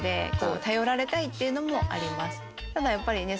ただやっぱりね。